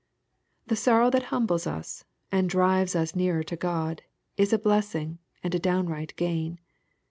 The sorrow that humbles us, and drives us nearer to God, is a blessing, and a downright gain.